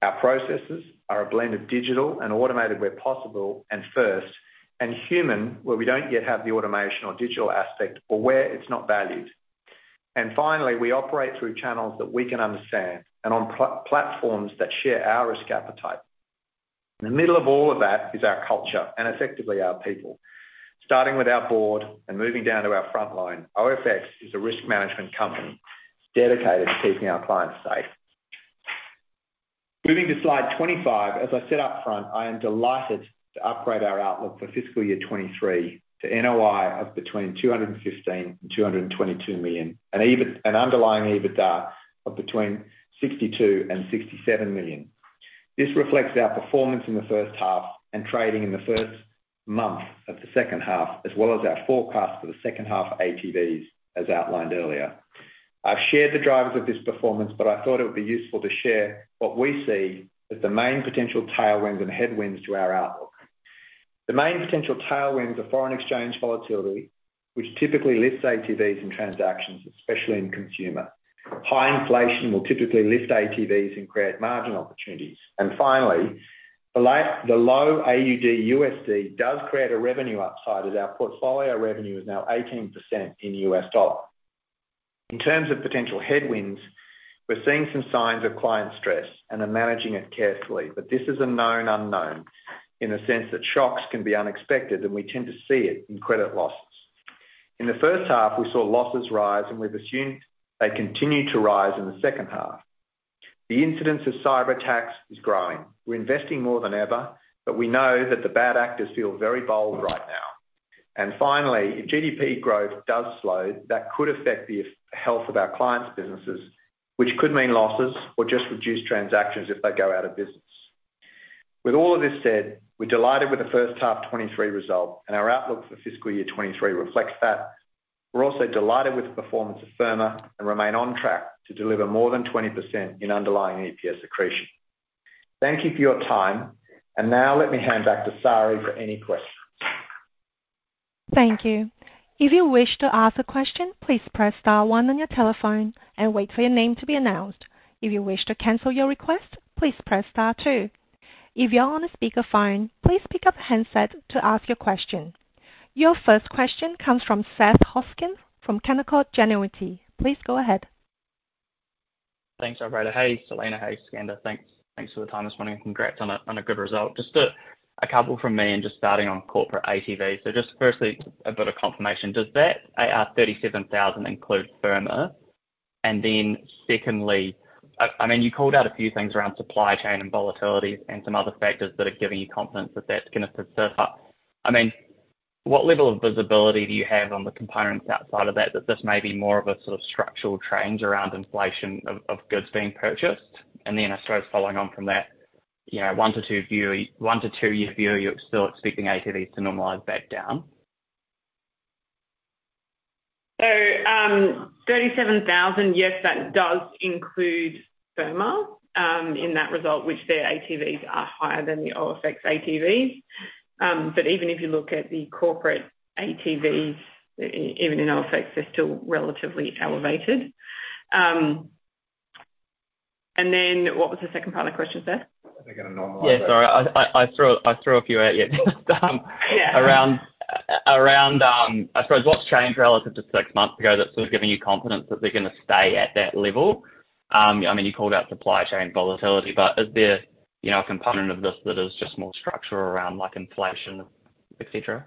Our processes are a blend of digital and automated where possible and first, and human, where we don't yet have the automation or digital aspect or where it's not valued. Finally, we operate through channels that we can understand and on platforms that share our risk appetite. In the middle of all of that is our culture and effectively our people. Starting with our board and moving down to our frontline, OFX is a risk management company dedicated to keeping our clients safe. Moving to slide 25. As I said upfront, I am delighted to upgrade our outlook for FY 2023 to NOI of between 215 million and 222 million and underlying EBITDA of between 62 million and 67 million. This reflects our performance in the first half and trading in the first month of the second half, as well as our forecast for the second half ATVs, as outlined earlier. I've shared the drivers of this performance, but I thought it would be useful to share what we see as the main potential tailwinds and headwinds to our outlook. The main potential tailwinds are foreign exchange volatility, which typically lifts ATVs and transactions, especially in consumer. High inflation will typically lift ATVs and create margin opportunities. The low AUD/USD does create a revenue upside as our portfolio revenue is now 18% in U.S. dollars. In terms of potential headwinds, we're seeing some signs of client stress and are managing it carefully. This is a known unknown, in the sense that shocks can be unexpected, and we tend to see it in credit losses. In the first half, we saw losses rise, and we've assumed they continue to rise in the second half. The incidence of cyberattacks is growing. We're investing more than ever, but we know that the bad actors feel very bold right now. If GDP growth does slow, that could affect the health of our clients' businesses, which could mean losses or just reduced transactions if they go out of business. With all of this said, we're delighted with the first half 2023 result, and our outlook for fiscal year 2023 reflects that. We're also delighted with the performance of Firma and remain on track to deliver more than 20% in underlying EPS accretion. Thank you for your time. Let me hand back to Sari for any questions. Thank you. If you wish to ask a question, please press star one on your telephone and wait for your name to be announced. If you wish to cancel your request, please press star two. If you're on a speakerphone, please pick up the handset to ask your question. Your first question comes from Seth Hoskin from Canaccord Genuity. Please go ahead. Thanks, operator. Hey, Selena. Hey, Skander. Thanks for the time this morning, and congrats on a good result. Just a couple from me, and just starting on corporate ATVs. Just firstly, a bit of confirmation. Does that 37,000 include Firma? Secondly, you called out a few things around supply chain and volatility and some other factors that are giving you confidence that that's going to persist. What level of visibility do you have on the components outside of that this may be more of a sort of structural change around inflation of goods being purchased? I suppose following on from that, one to two-year view, you're still expecting ATVs to normalize back down. 37,000, yes, that does include Firma in that result, which their ATVs are higher than the OFX ATVs. Even if you look at the corporate ATVs, even in OFX, they're still relatively elevated. What was the second part of the question, Seth? Sorry. I threw a few at you. Yeah. Around, I suppose, what's changed relative to six months ago that's sort of giving you confidence that they're going to stay at that level? You called out supply chain volatility, but is there a component of this that is just more structural around inflation, et cetera?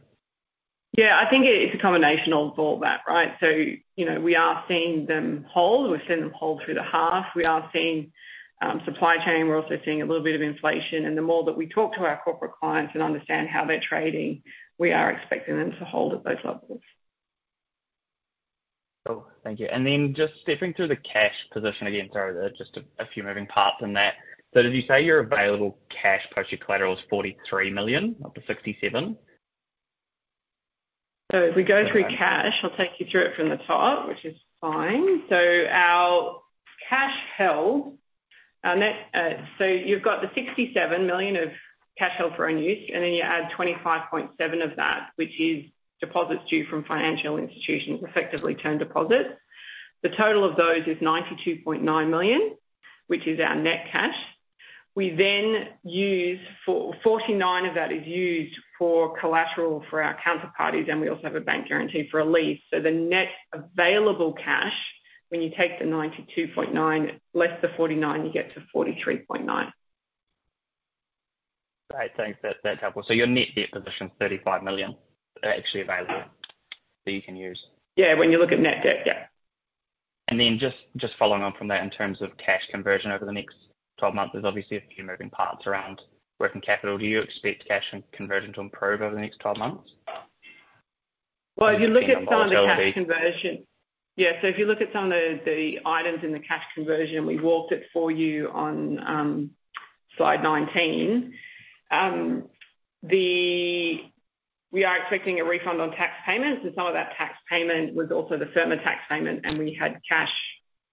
I think it's a combination of all that, right? We are seeing them hold. We're seeing them hold through the half. We are seeing supply chain. We're also seeing a little bit of inflation. The more that we talk to our corporate clients and understand how they're trading, we are expecting them to hold at those levels. Cool. Thank you. Just stepping through the cash position again. Sorry, there are just a few moving parts in that. Did you say your available cash post your collateral is 43 million, up to 67? If we go through cash, I'll take you through it from the top, which is fine. You've got the 67 million of cash held for own use, and then you add 25.7 of that, which is deposits due from financial institutions, effectively term deposits. The total of those is 92.9 million, which is our net cash. 49 of that is used for collateral for our counterparties, and we also have a bank guarantee for a lease. The net available cash, when you take the 92.9 less the 49, you get to 43.9. Great. Thanks. That's helpful. Your net debt position, 35 million, actually available that you can use. Yeah, when you look at net debt, yeah. Following on from that, in terms of cash conversion over the next 12 months, there's obviously a few moving parts around working capital. Do you expect cash conversion to improve over the next 12 months? Well, if you look at some of the cash conversion, if you look at some of the items in the cash conversion, we walked it for you on slide 19. We are expecting a refund on tax payments, and some of that tax payment was also the Firma tax payment, and we had cash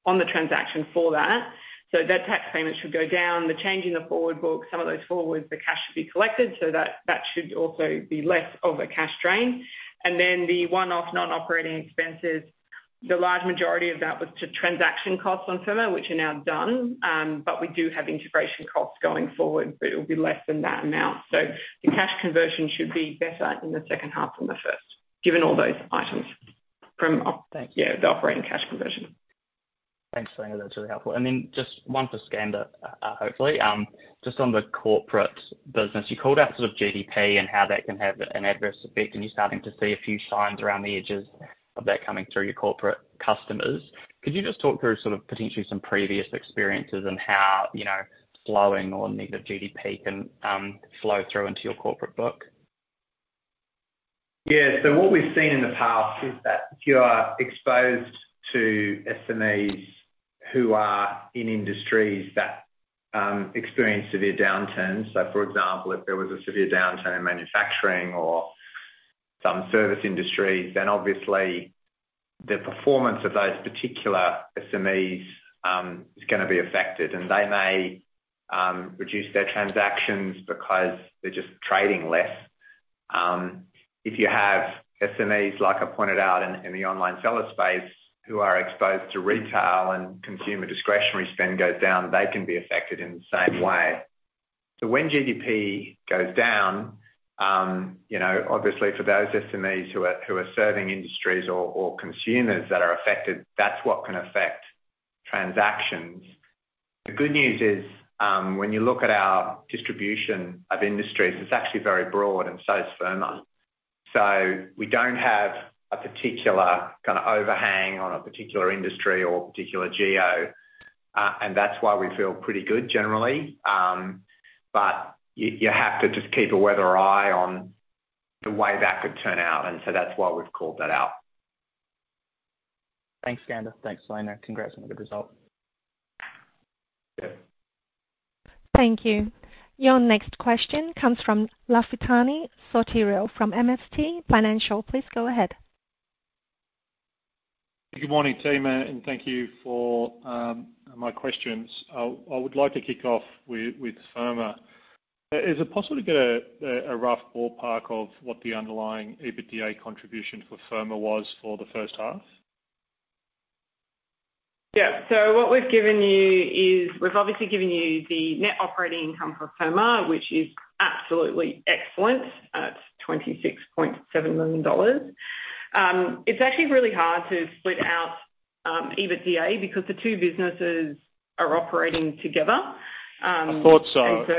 on the transaction for that. That tax payment should go down. The change in the forward book, some of those forwards, the cash should be collected, so that should also be less of a cash drain. The one-off non-operating expenses, the large majority of that was to transaction costs on Firma, which are now done. We do have integration costs going forward, but it'll be less than that amount. The cash conversion should be better in the second half than the first, given all those items. Thank you The operating cash conversion. Thanks, Selena. That's really helpful. Then just one for Skander, hopefully. Just on the corporate business, you called out GDP and how that can have an adverse effect, and you're starting to see a few signs around the edges of that coming through your corporate customers. Could you just talk through potentially some previous experiences and how slowing or negative GDP can flow through into your corporate book? Yeah. What we've seen in the past is that if you are exposed to SMEs who are in industries that experience severe downturns, for example, if there was a severe downturn in manufacturing or some service industries, then obviously the performance of those particular SMEs is going to be affected, and they may reduce their transactions because they're just trading less. If you have SMEs, like I pointed out in the online seller space, who are exposed to retail and consumer discretionary spend goes down, they can be affected in the same way. When GDP goes down, obviously for those SMEs who are serving industries or consumers that are affected, that's what can affect transactions. The good news is, when you look at our distribution of industries, it's actually very broad and so is Firma. We don't have a particular kind of overhang on a particular industry or a particular geo. That's why we feel pretty good generally. You have to just keep a weather eye on the way that could turn out, that's why we've called that out. Thanks, Skander. Thanks, Selena. Congrats on the result. Yeah. Thank you. Your next question comes from Lafitani Sotiriou from MST Financial. Please go ahead. Good morning, team, thank you for my questions. I would like to kick off with Firma. Is it possible to get a rough ballpark of what the underlying EBITDA contribution for Firma was for the first half? Yeah. What we've given you is, we've obviously given you the net operating income for Firma, which is absolutely excellent. It's 26.7 million dollars. It's actually really hard to split out EBITDA because the two businesses are operating together. I thought so. And so-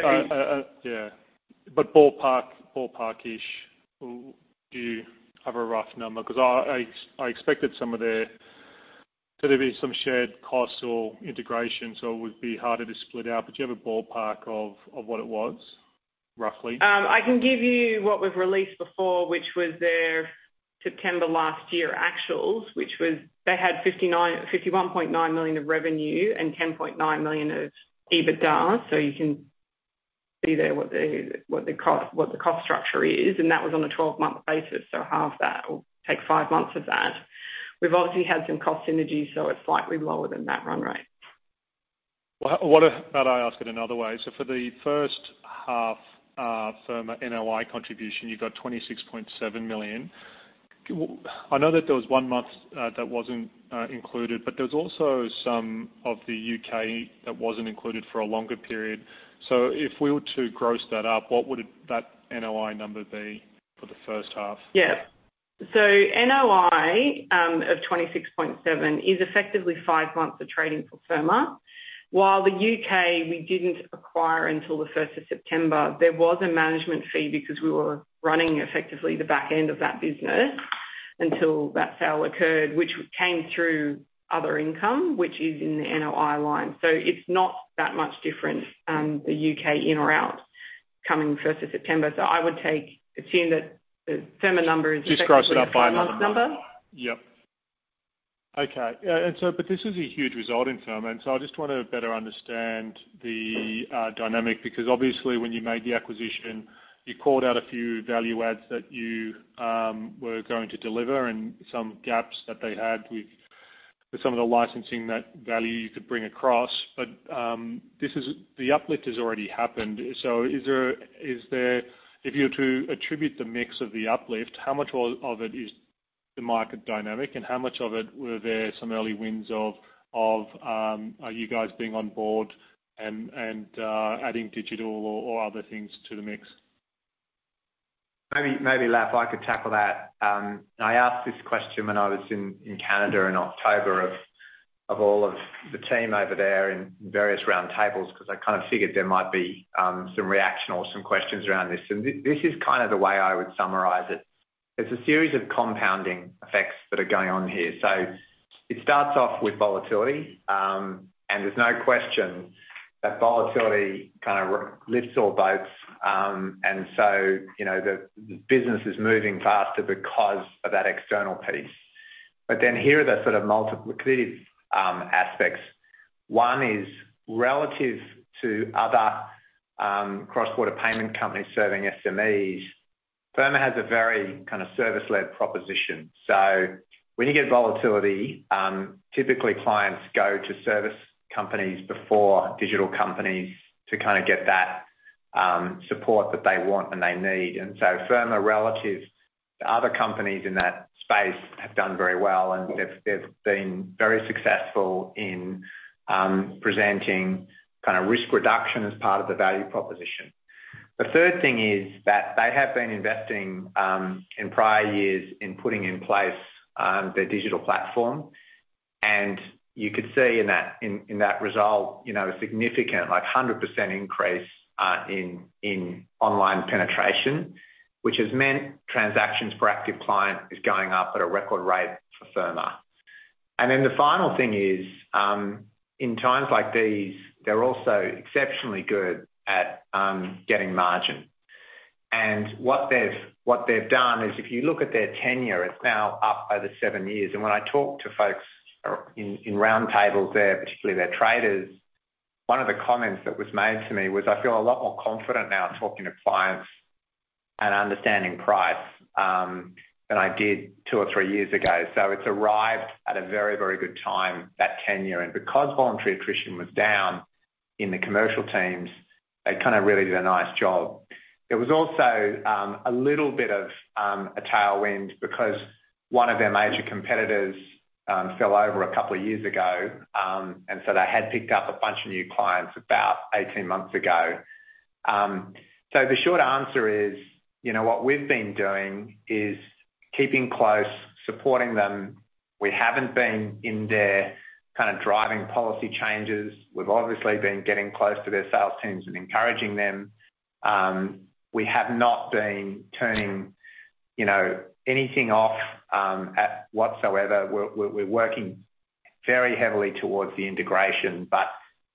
Ballpark-ish. Do you have a rough number? Because I expected there to be some shared costs or integration, so it would be harder to split out. Do you have a ballpark of what it was, roughly? I can give you what we've released before, which was their September last year actuals. They had 51.9 million of revenue and 10.9 million of EBITDA. You can see there what the cost structure is. That was on a 12-month basis. Half that, or take five months of that. We've obviously had some cost synergies, so it's slightly lower than that run rate. How about I ask it another way? For the first half Firma NOI contribution, you got 26.7 million. I know that there was one month that wasn't included, but there was also some of the U.K. that wasn't included for a longer period. If we were to gross that up, what would that NOI number be for the first half? Yeah. NOI of 26.7 is effectively five months of trading for Firma. While the U.K. we didn't acquire until the 1st of September. There was a management fee because we were running effectively the back end of that business until that sale occurred, which came through other income, which is in the NOI line. It's not that much different, the U.K. in or out, coming 1st of September. I would take, assume that the Firma number is effectively Just gross it up by another month the five months number. Yep. Okay. This is a huge result in Firma, I just want to better understand the dynamic, because obviously when you made the acquisition, you called out a few value adds that you were going to deliver and some gaps that they had with some of the licensing, that value you could bring across. The uplift has already happened. If you were to attribute the mix of the uplift, how much of it is the market dynamic and how much of it were there some early wins of you guys being on board and adding digital or other things to the mix? Maybe, Laf, I could tackle that. I asked this question when I was in Canada in October of all of the team over there in various round tables, because I kind of figured there might be some reaction or some questions around this. This is kind of the way I would summarize it. There is a series of compounding effects that are going on here. It starts off with volatility, and there is no question that volatility kind of lifts all boats. The business is moving faster because of that external piece. Here are the sort of multiplicative aspects. One is relative to other cross-border payment companies serving SMEs. Firma has a very kind of service-led proposition. When you get volatility, typically clients go to service companies before digital companies to kind of get that support that they want and they need. Firma, relative to other companies in that space, have done very well, and they've been very successful in presenting risk reduction as part of the value proposition. The third thing is that they have been investing in prior years in putting in place their digital platform. You could see in that result, a significant, 100% increase in online penetration. Which has meant transactions per active client is going up at a record rate for Firma. The final thing is, in times like these, they are also exceptionally good at getting margin. What they've done is if you look at their tenure, it is now up over seven years. When I talk to folks in roundtables there, particularly their traders, one of the comments that was made to me was, "I feel a lot more confident now talking to clients and understanding price." Than I did two or three years ago. It is arrived at a very, very good time, that tenure. Because voluntary attrition was down in the commercial teams, they really did a nice job. There was also a little bit of a tailwind because one of their major competitors fell over a couple of years ago, and they had picked up a bunch of new clients about 18 months ago. The short answer is, what we've been doing is keeping close, supporting them. We haven't been in there kind of driving policy changes. We've obviously been getting close to their sales teams and encouraging them. We have not been turning anything off whatsoever. We are working very heavily towards the integration.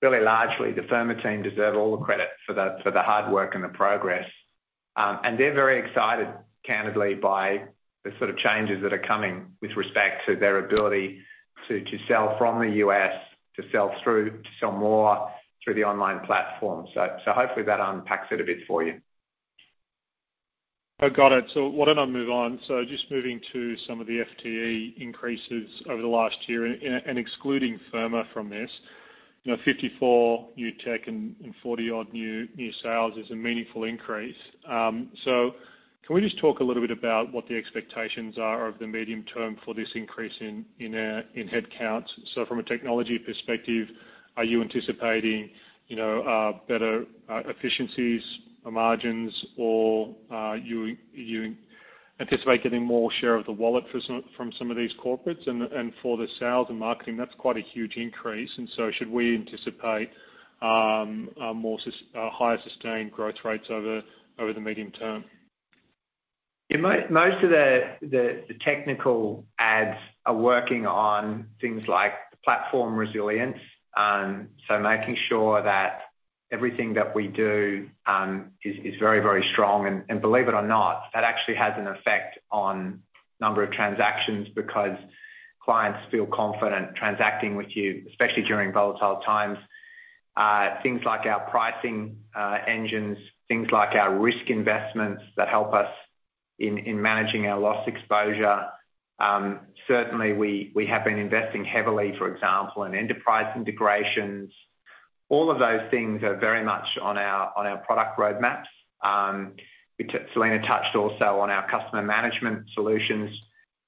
Really largely, the Firma team deserve all the credit for the hard work and the progress. They are very excited, candidly, by the sort of changes that are coming with respect to their ability to sell from the U.S., to sell more through the online platform. Hopefully that unpacks it a bit for you. I've got it. Why don't I move on. Just moving to some of the FTE increases over the last year and excluding Firma from this. 54 new tech and 40 odd new sales is a meaningful increase. Can we just talk a little bit about what the expectations are of the medium term for this increase in headcounts? From a technology perspective, are you anticipating better efficiencies or margins? Or are you anticipating getting more share of the wallet from some of these corporates and for the sales and marketing, that's quite a huge increase. Should we anticipate higher sustained growth rates over the medium term? Yeah. Most of the technical ads are working on things like platform resilience. Making sure that everything that we do is very, very strong. And believe it or not, that actually has an effect on number of transactions because clients feel confident transacting with you, especially during volatile times. Things like our pricing engines, things like our risk investments that help us in managing our loss exposure. Certainly we have been investing heavily, for example, in enterprise integrations. All of those things are very much on our product roadmaps. Selena touched also on our customer management solutions.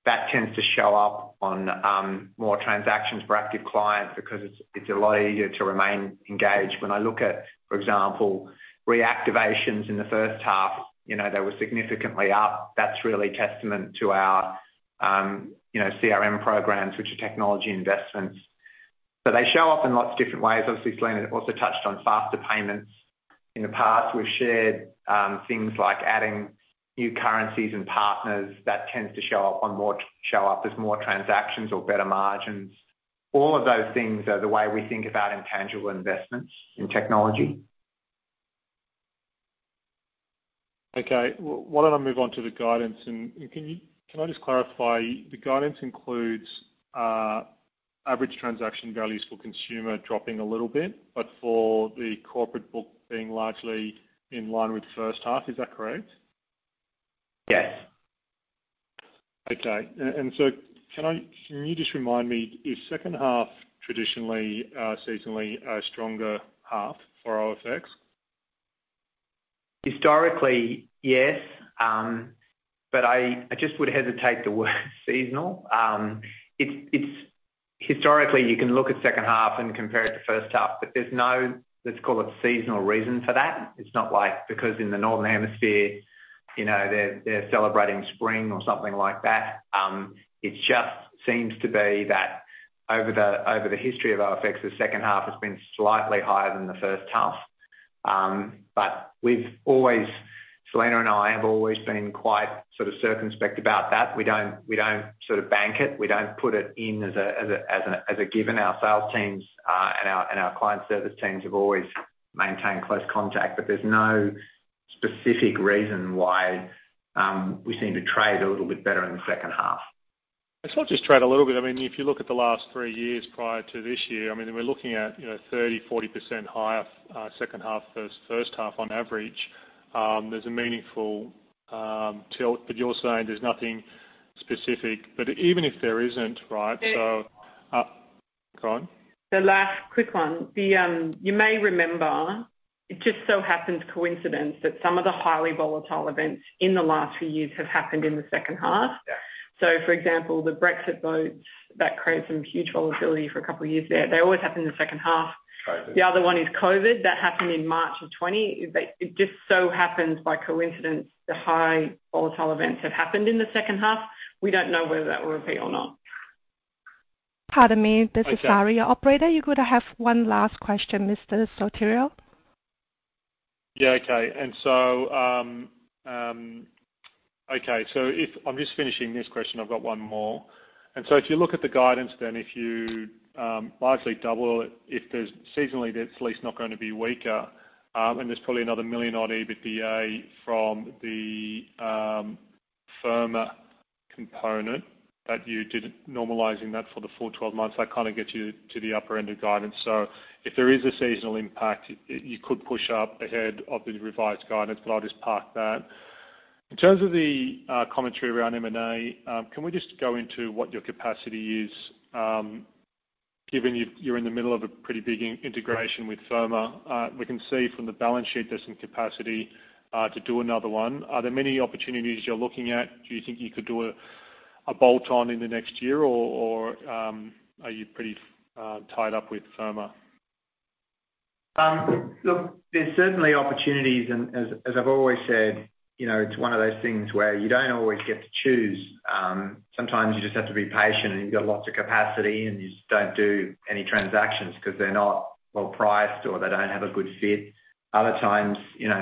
That tends to show up on more transactions for active clients because it's a lot easier to remain engaged. When I look at, for example, reactivations in the first half, they were significantly up. That's really testament to our CRM programs, which are technology investments. They show up in lots of different ways. Obviously, Selena also touched on faster payments. In the past, we've shared things like adding new currencies and partners. That tends to show up as more transactions or better margins. All of those things are the way we think about intangible investments in technology. Okay. Why don't I move on to the guidance. Can I just clarify, the guidance includes Average Transaction Values for consumer dropping a little bit, but for the corporate book being largely in line with the first half. Is that correct? Yes. Okay. Can you just remind me, is second half traditionally, seasonally a stronger half for OFX? Historically, yes. I just would hesitate the word seasonal. Historically, you can look at second half and compare it to first half, there's no, let's call it seasonal reason for that. It's not like because in the northern hemisphere, they're celebrating spring or something like that. It just seems to be that over the history of OFX, the second half has been slightly higher than the first half. Selena and I have always been quite circumspect about that. We don't bank it. We don't put it in as a given. Our sales teams and our client service teams have always maintained close contact, there's no specific reason why we seem to trade a little bit better in the second half. It's not just trade a little bit. If you look at the last three years prior to this year, we're looking at 30%-40% higher second half, first half on average. There's a meaningful tilt, but you're saying there's nothing specific, but even if there isn't, right? Go on. The last quick one. You may remember, it just so happens coincidence that some of the highly volatile events in the last few years have happened in the second half. Yeah. For example, the Brexit votes that created some huge volatility for a couple of years there. They always happen in the second half. COVID. The other one is COVID. That happened in March of 2020. It just so happens by coincidence the high volatile events have happened in the second half. We don't know whether that will repeat or not. Pardon me. Okay. This is Aria, operator. You could have one last question, Mr. Sotiriou. Yeah. Okay. I'm just finishing this question. I've got one more. If you look at the guidance then, if you largely double it, if there's seasonally, it's at least not going to be weaker. There's probably another 1 million odd EBITDA from the Firma component that you did normalizing that for the full 12 months, that kind of gets you to the upper end of guidance. If there is a seasonal impact, you could push up ahead of the revised guidance. I'll just park that. In terms of the commentary around M&A, can we just go into what your capacity is, given you're in the middle of a pretty big integration with Firma? We can see from the balance sheet there's some capacity to do another one. Are there many opportunities you're looking at? Do you think you could do a bolt-on in the next year, or are you pretty tied up with Firma? Look, there's certainly opportunities, as I've always said, it's one of those things where you don't always get to choose. Sometimes you just have to be patient, you've got lots of capacity, you just don't do any transactions because they're not well-priced, or they don't have a good fit. Other times,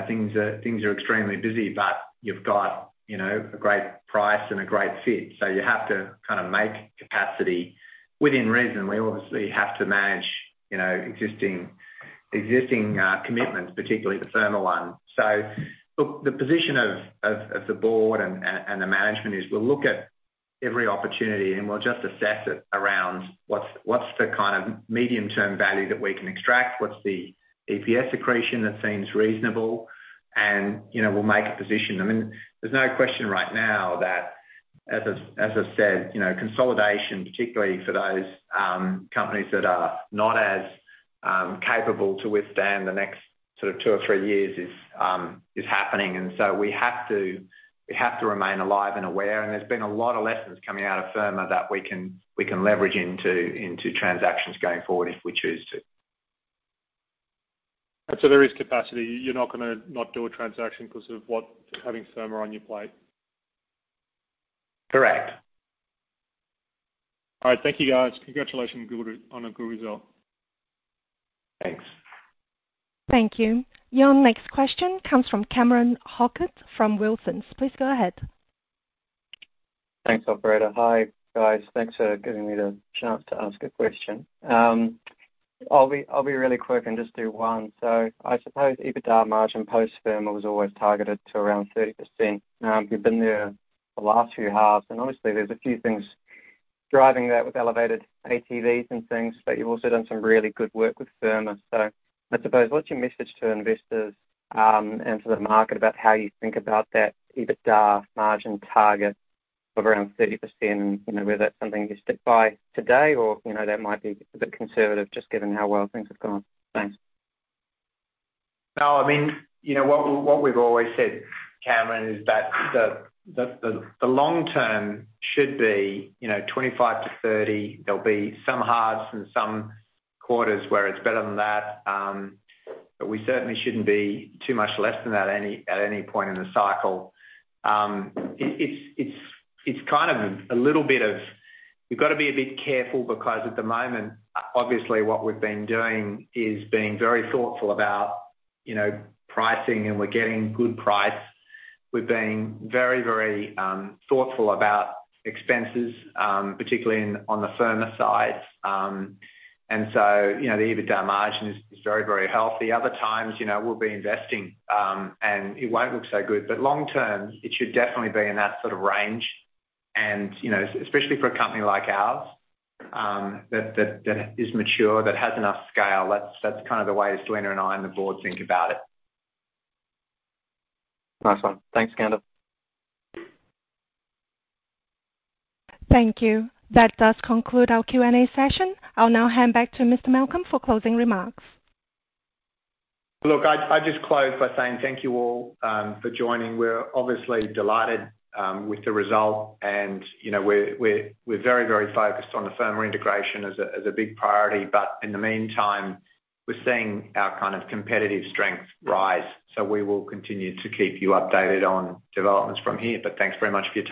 things are extremely busy, you've got a great price and a great fit. You have to kind of make capacity. Within reason, we obviously have to manage existing commitments, particularly the Firma one. Look, the position of the board and the management is we'll look at every opportunity, we'll just assess it around what's the kind of medium-term value that we can extract. What's the EPS accretion that seems reasonable? We'll make a position. There's no question right now that, as I said, consolidation, particularly for those companies that are not as capable to withstand the next two or three years, is happening. We have to remain alive and aware, there's been a lot of lessons coming out of Firma that we can leverage into transactions going forward if we choose to. There is capacity. You're not going to not do a transaction because of having Firma on your plate. Correct. All right. Thank you, guys. Congratulations on a good result. Thanks. Thank you. Jon, next question comes from Cameron Hockett from Wilsons. Please go ahead. Thanks, operator. Hi, guys. Thanks for giving me the chance to ask a question. I'll be really quick and just do one. I suppose EBITDA margin post-Firma was always targeted to around 30%. You've been there the last few halves, and obviously, there's a few things driving that with elevated ATVs and things, but you've also done some really good work with Firma. I suppose, what's your message to investors and to the market about how you think about that EBITDA margin target of around 30%, whether that's something you stick by today or that might be a bit conservative just given how well things have gone? Thanks. What we've always said, Cameron, is that the long term should be 25%-30%. There'll be some halves and some quarters where it's better than that. We certainly shouldn't be too much less than that at any point in the cycle. We've got to be a bit careful because at the moment, obviously what we've been doing is being very thoughtful about pricing, and we're getting good price. We're being very thoughtful about expenses, particularly on the Firma side. The EBITDA margin is very healthy. Other times, we'll be investing, and it won't look so good. Long term, it should definitely be in that sort of range. Especially for a company like ours that is mature, that has enough scale, that's kind of the way Selena and I and the board think about it. Nice one. Thanks, Skander. Thank you. That does conclude our Q&A session. I'll now hand back to Mr. Malcolm for closing remarks. I just close by saying thank you all for joining. We're obviously delighted with the result, and we're very focused on the Firma integration as a big priority. In the meantime, we're seeing our competitive strength rise. We will continue to keep you updated on developments from here, thanks very much for your time.